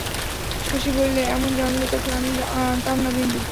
শশী বলিল, এমন জানলে তোকে আমি আনতাম না বিন্দু।